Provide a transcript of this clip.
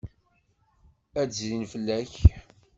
Ad d-zrin fell-ak.